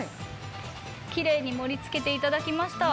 きれいに盛り付けていただきました。